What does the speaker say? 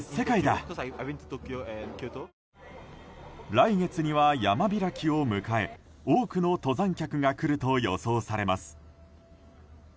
来月には山開きを迎え多くの登山客が来ると予想されます。